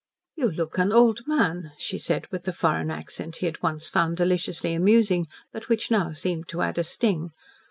"You look an old man," she said, with the foreign accent he had once found deliciously amusing, but which now seemed to add a sting.